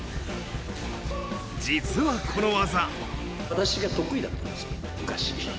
実はこの技。